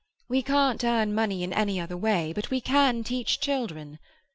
We can't earn money in any other way, but we can teach children!